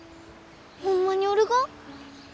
ホンマにおるが？